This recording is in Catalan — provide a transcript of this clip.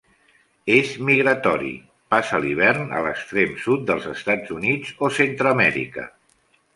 És migratori, passa l'hivern a l'extrem sud dels Estats Units o Centreamèrica.